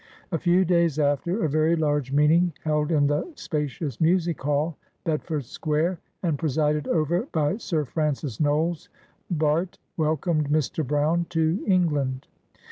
A few days after, a very large meeting, held in the spa cious Music Hall, Bedford Square, and presided over by Sir Francis Knowles, Bart., welcomed Mr. Brown to England.